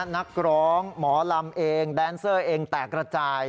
นักร้องหมอลำเองแดนเซอร์เองแตกระจาย